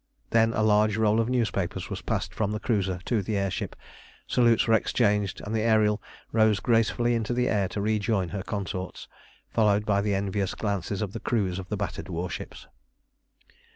Then a large roll of newspapers was passed from the cruiser to the air ship, salutes were exchanged, and the Ariel rose gracefully into the air to rejoin her consorts, followed by the envious glances of the crews of the battered warships.